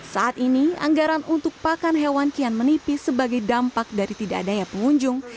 saat ini anggaran untuk pakan hewan kian menipis sebagai dampak dari tidak adanya pengunjung